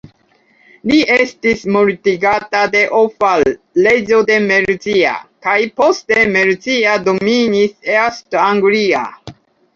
Li estis mortigata de Offa, reĝo de Mercia, kaj poste Mercia dominis East Anglia.